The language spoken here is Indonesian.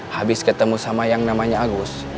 habis ketemu sama yang namanya agus